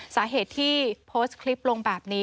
สาเหตุที่โพสต์คลิปลงแบบนี้